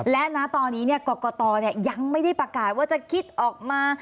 และนะตอนนี้กรกตยังไม่ได้ประกาศว่าจะคิดออกมา